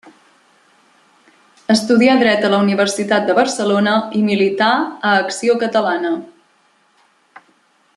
Estudià dret a la Universitat de Barcelona i milità a Acció Catalana.